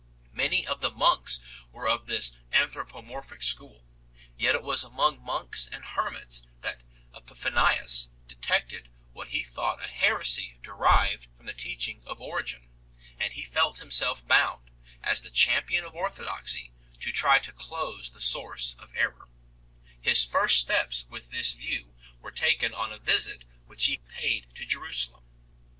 Many of the monks were of this anthropomorphic school ; yet it was among monks and hermits that Epiphanius detected what he thought a heresy derived from the teaching of Origen, and he felt himself bound, as the champion of orthodoxy, to try to close the source of error \ His first steps with this view were taken on a visit which he paid to Jerusalem.